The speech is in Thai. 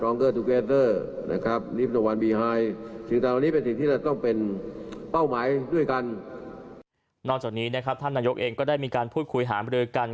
นอกจากนี้นะครับท่านนายกเองก็ได้มีการพูดคุยหามรือกัน